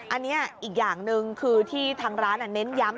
อันนี้อีกอย่างหนึ่งคือที่ทางร้านเน้นย้ำ